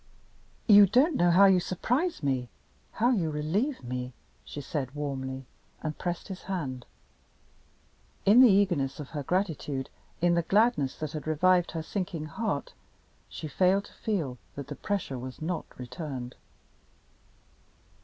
"You don't know how you surprise me, how you relieve me," she said, warmly and pressed his hand. In the eagerness of her gratitude, in the gladness that had revived her sinking heart, she failed to feel that the pressure was not returned.